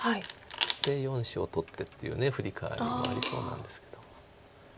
で４子を取ってっていうフリカワリになりそうなんですけど。